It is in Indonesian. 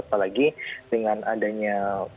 apalagi dengan adanya